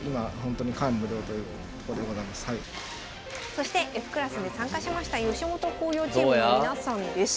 そしてＦクラスに参加しました吉本興業チームの皆さんです。